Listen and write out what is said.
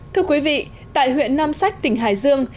thưa quý vị tại huyện nam sách tỉnh hải dương